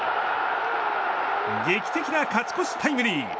劇的な勝ち越しタイムリー。